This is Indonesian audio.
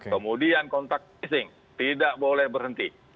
kemudian kontak tracing tidak boleh berhenti